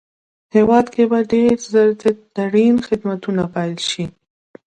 هېواد کې به ډېر زر د ټرېن خدمتونه پېل شي